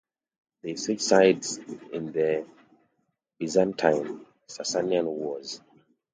They switched sides in the Byzantine-Sasanian wars.